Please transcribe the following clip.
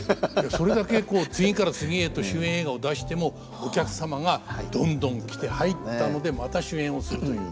それだけこう次から次へと主演映画を出してもお客様がどんどん来て入ったのでまた主演をするという。